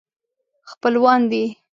خپلوان دي.